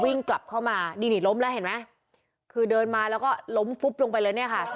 วิ่งกลับเข้ามานี่นี่ล้มแล้วเห็นไหมคือเดินมาแล้วก็ล้มฟุบลงไปเลยเนี่ยค่ะ